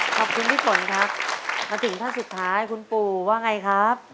ขอบคุณพี่ฝนครับมาถึงท่านสุดท้ายคุณปู่ว่าไงครับ